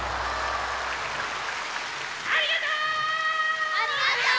ありがとう！